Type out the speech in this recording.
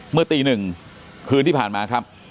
เมื่อตี๑คืนที่ผ่านมาครับ